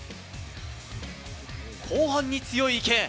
後半に強い池江。